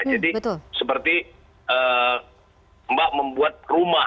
jadi seperti mbak membuat rumah